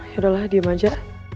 yaudahlah diem aja